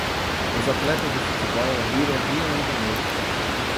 Os atletas de futebol riram violentamente.